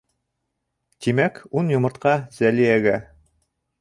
Тимәк, ун йомортҡа Зәлиәгә.